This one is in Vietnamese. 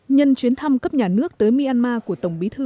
nhân chuyến thăm cấp nhà nước tới myanmar của tổng bí thư